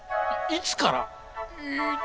いつから？